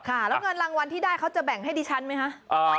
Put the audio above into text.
แล้วเงินรางวัลที่ได้เขาจะแบ่งให้ดิฉันไหมคะ